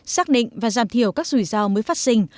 xác định và giảm thiểu các rủi ro mới phát sinh